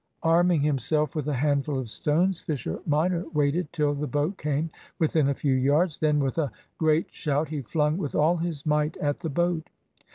Arming himself with a handful of stones, Fisher minor waited till the boat came within a few yards. Then with a great shout he flung with all his might at the boat.